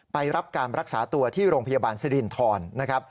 ไปรับการรักษาตัวที่โรงพยาบาลสิรินทรนะครับ